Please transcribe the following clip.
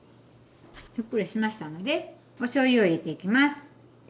ふっくらしましたのでおしょうゆを入れていきます。